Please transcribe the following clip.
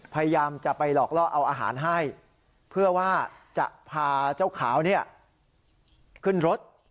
พยายามจะไปหลอกล่อเอาอาหารให้เพื่อว่าจะพาเจ้าขาวเนี่ยขึ้นรถ